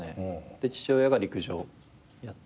で父親が陸上やってて。